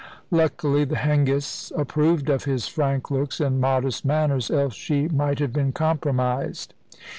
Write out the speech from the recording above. Luckily, the Hengists approved of his frank looks and modest manners, else she might have been compromised.